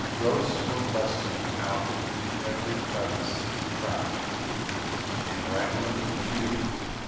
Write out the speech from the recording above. Growths were bursting out of every crevice and crack in rambling confusion.